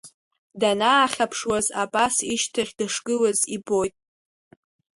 Данаахьаԥшуаз, Абас ишьҭахь дышгылаз ибоит.